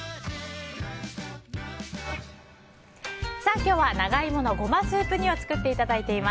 今日は長イモのゴマスープ煮を作っていただいています。